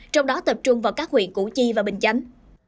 trong đó tập trung vào các huyện củ chi và bình chánh